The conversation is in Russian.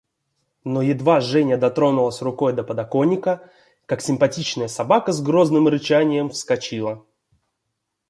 Но едва Женя дотронулась рукой до подоконника, как симпатичная собака с грозным рычанием вскочила.